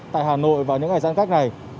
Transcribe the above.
tại hà nội vào những ngày giãn cách này